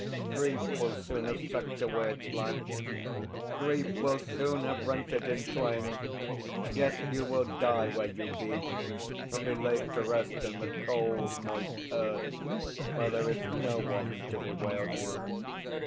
Grief will soon have sucked away its life; grief will soon have rent it in twain! Yes, you will die where you be, and be laid to rest in the cold, moist earth where there is no one to bewail you.